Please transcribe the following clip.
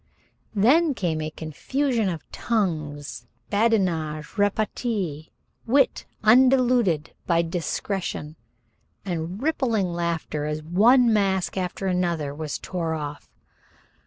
Then came a confusion of tongues, badinage, repartee, wit undiluted by discretion and rippling laughter as one mask after another was torn off.